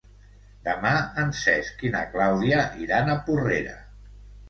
Demà en Cesc i na Clàudia iran a Porrera.